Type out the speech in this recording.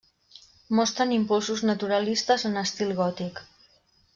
Mostren impulsos naturalistes en estil gòtic.